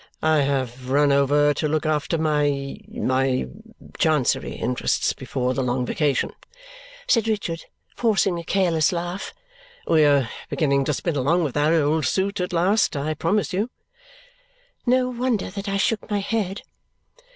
I have run over to look after my my Chancery interests before the long vacation," said Richard, forcing a careless laugh. "We are beginning to spin along with that old suit at last, I promise you." No wonder that I shook my head!